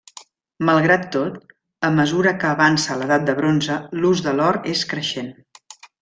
Malgrat tot, a mesura que avança l'edat del bronze, l'ús de l'or és creixent.